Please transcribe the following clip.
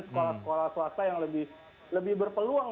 sekolah sekolah swasta yang lebih berpeluang